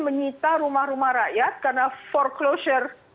menyita rumah rumah rakyat karena foreclosure